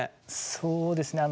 そうですね